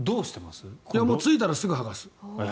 着いたらすぐ剥がす。